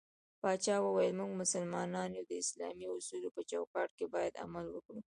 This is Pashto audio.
پاچا وويل: موږ مسلمانان يو د اسلامي اصولو په چوکات کې بايد عمل وکړو.